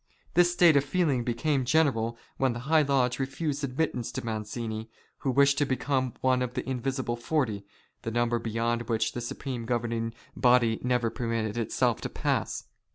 This state of feeling became general when that high lodge refused admittance to Mazzini, who wished to become one of the invisible forty — the number beyond which the supreme governing body never permitted itself to pass.